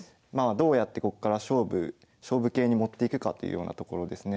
どうやってこっから勝負系に持っていくかというようなところですね